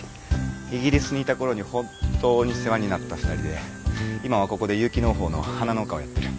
イギリスにいた頃に本当に世話になった２人で今はここで有機農法の花農家をやってる。